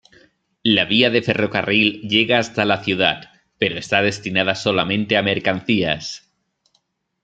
La vía de ferrocarril llega hasta la ciudad, pero está destinada solamente a mercancías.